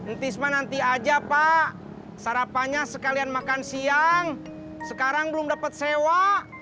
entisma nanti aja pak sarapannya sekalian makan siang sekarang belum dapat sewa